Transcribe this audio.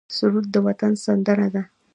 سرود د وطن سندره ده